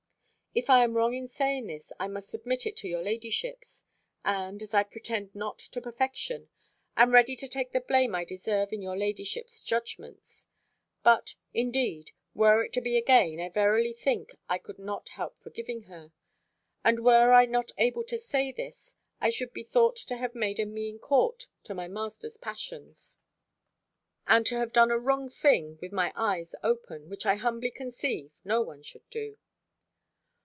If I am wrong in saying this, I must submit it to your ladyships; and, as I pretend not to perfection, am ready to take the blame I deserve in your ladyships' judgments: but indeed, were it to be again, I verily think, I could not help forgiving her. And were I not able to say this, I should be thought to have made a mean court to my master's passions, and to have done a wrong thing with my eyes open: which I humbly conceive, no one should do.